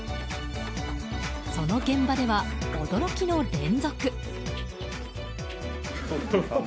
その現場では驚きの連続。